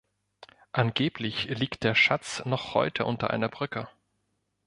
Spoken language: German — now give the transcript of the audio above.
Angeblich liegt der Schatz noch heute unter einer Brücke.